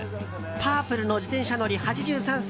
パープルの自転車乗り、８３歳。